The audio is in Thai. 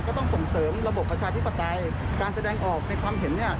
ต้องส่งเสริมระบบประชาธิปไตยการแสดงออกในความเห็นเนี่ย